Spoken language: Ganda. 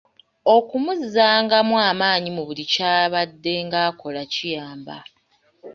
Okumuzzangamu amaanyi mu buli kyabaddenga akola kiyamba.